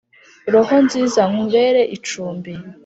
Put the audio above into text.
roho nziza nkubere icumbi